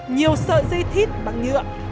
nhiều sợi dây thít bằng nhựa